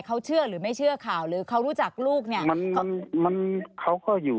เขาเชื่อหรือไม่เชื่อข่าวหรือเขารู้จักลูกเนี่ย